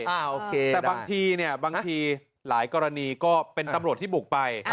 แต่บางทีเนี่ยบางทีหลายกรณีก็เป็นตำรวจที่บุกไป